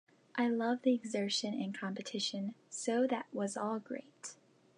I love the exertion and competition, so that was all great.